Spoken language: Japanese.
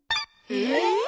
え！